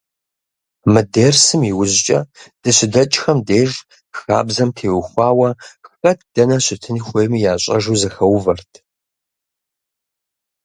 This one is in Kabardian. Мы дерсым иужькӏэ, дыщыдэкӏхэм деж, хабзэм теухуауэ, хэт дэнэ щытын хуейми ящӏэжу зэхэувэрт.